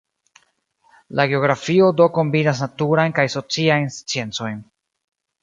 La geografio do kombinas naturajn kaj sociajn sciencojn.